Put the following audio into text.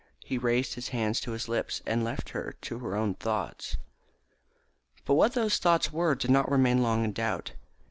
He raised her hand to his lips, and left her to her own thoughts. But what those thoughts were did not long remain in doubt.